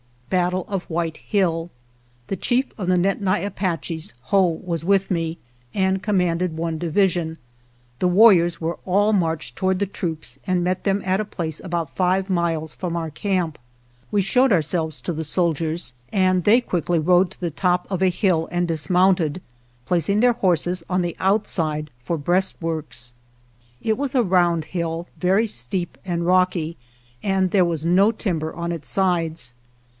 Battle of White Hill The chief of the Nedni Apaches, Whoa, was with me and commanded one division. The warriors were all marched toward the 99 GERONIMO troops and met them at a place about five miles from our camp. We showed our selves to the soldiers and they quickly rode to the top of a hill and dismounted, placing their horses on the outside for breastworks. It was a round hill, very steep and rocky, and there was no timber on its sides.